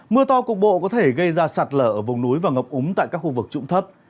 mưa to cục bộ có thể gây ra sạt lở ở vùng núi và ngập úng tại các khu vực trụng thấp